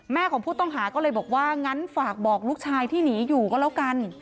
ของผู้ต้องหาก็เลยบอกว่างั้นฝากบอกลูกชายที่หนีอยู่ก็แล้วกัน